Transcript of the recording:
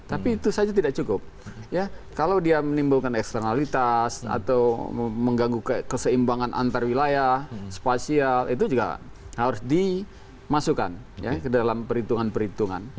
tapi itu saja tidak cukup ya kalau dia menimbulkan eksternalitas atau mengganggu keseimbangan antar wilayah spasial itu juga harus dimasukkan ke dalam perhitungan perhitungan